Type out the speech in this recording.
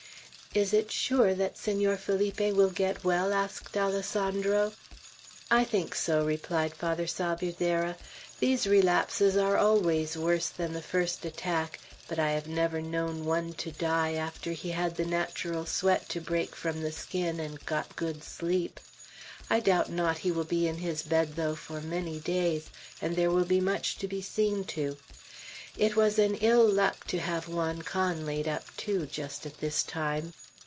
"Is it sure that Senor Felipe will get well?" asked Alessandro. "I think so," replied Father Salvierderra. "These relapses are always worse than the first attack; but I have never known one to die, after he had the natural sweat to break from the skin, and got good sleep. I doubt not he will be in his bed, though, for many days, and there will be much to be seen to. It was an ill luck to have Juan Can laid up, too, just at this time.